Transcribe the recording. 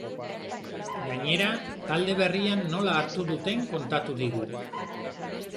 Gainera, talde berrian nola hartu duten kontatu digu.